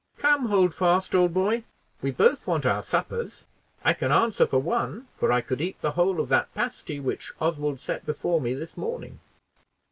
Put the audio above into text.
Come Holdfast, old boy, we both want our suppers. I can answer for one, for I could eat the whole of that pasty which Oswald set before me this morning."